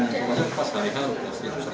sekarang itu harus siap siap